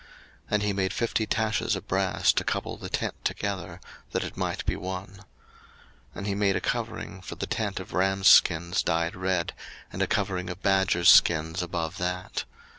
02:036:018 And he made fifty taches of brass to couple the tent together, that it might be one. 02:036:019 And he made a covering for the tent of rams' skins dyed red, and a covering of badgers' skins above that.